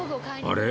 あれ？